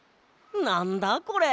なんだこれ？